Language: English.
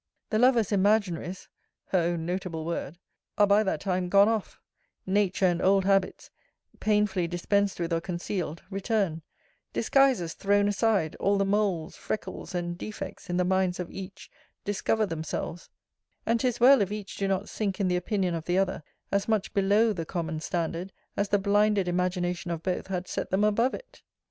'The lovers imaginaries [her own notable word!] are by that time gone off; nature and old habits (painfully dispensed with or concealed) return: disguises thrown aside, all the moles, freckles, and defects in the minds of each discover themselves; and 'tis well if each do not sink in the opinion of the other, as much below the common standard, as the blinded imagination of both had set them above it.